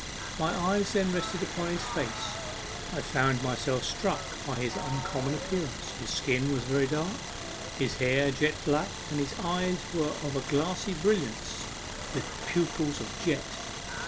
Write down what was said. My eyes then resting upon his face, I found myself struck by his uncommon appearance. His skin was very dark, his hair jet black, and his eyes were of a glassy brilliance, with pupils of jet.